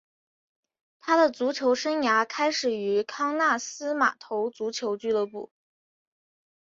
他的足球生涯开始于康纳斯码头足球俱乐部。